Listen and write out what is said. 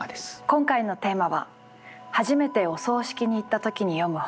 今回のテーマは「初めてお葬式に行った時に読む本」です。